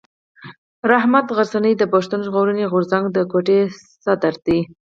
رحمت غرڅنی د پښتون ژغورني غورځنګ د کوټي صدر دی.